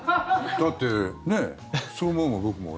だって、ねえそう思うもん、僕も。